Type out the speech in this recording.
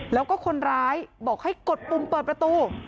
แล้วก็คนร้ายบอกให้กดปุ่มเปิดประตู